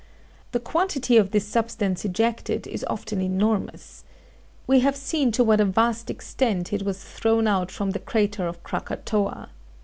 The quantity of this substance ejected is often enormous. We have seen to what a vast extent it was thrown out from the crater of Krakatoa.